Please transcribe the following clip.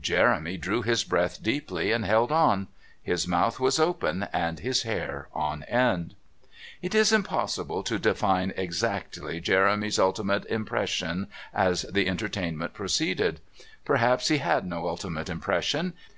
Jeremy drew his breath deeply and held on. His mouth was open and his hair on end.. . It is impossible to define exactly Jeremy's ultimate impression as the entertainment proceeded. Perhaps he had no ultimate impression.